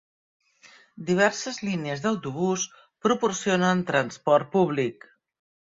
Diverses línies d'autobús proporcionen transport públic.